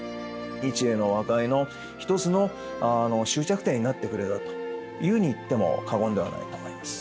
日英の和解の一つの終着点になってくれたというふうに言っても過言ではないと思います。